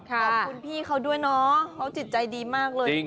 ขอบคุณพี่เขาด้วยเนาะเขาจิตใจดีมากเลย